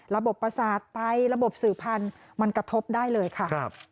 ประสาทไตระบบสื่อพันธุ์มันกระทบได้เลยค่ะ